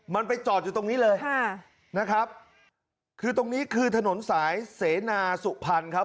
มันไปจอดอยู่ตรงนี้เลยค่ะนะครับคือตรงนี้คือถนนสายเสนาสุพรรณครับ